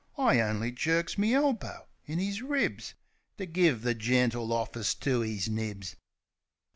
I only jerks me elbow in 'is ribs, To give the gentle office to 'is nibs.